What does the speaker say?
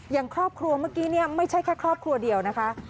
อย่างครอบครัวเมื่อกี้เนี่ยไม่ใช่แค่ครอบครัวเดียวนะคะ